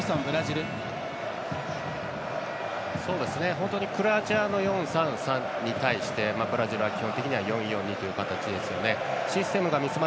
本当にクロアチアの４‐３‐３に対してブラジルは基本的に４‐４‐２というシステムですよね。